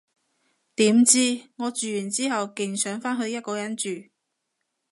點知，我住完之後勁想返去一個人住